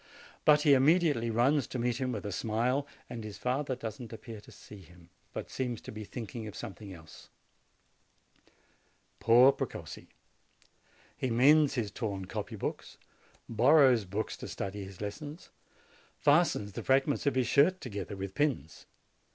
But he immediately runs to meet him, with a smile; and his father does not appear to see him, but seems to be thinking of something else. Poor Precossi! He mends his torn copy books, borrows books to study his lessons, fastens the frag ments of his shirt together with pins.